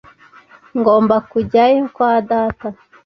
Ngomba kujyayo kwa data.